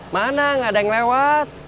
mana nggak ada yang lewat